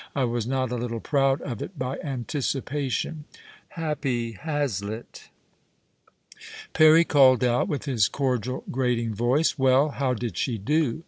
I was not a little proud of it by anticipation *"— happy Hazlitt !)" Perry called out, with his cordial, grating voice, ' Well, how did she do